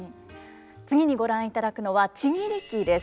次にご覧いただくのは「千切木」です。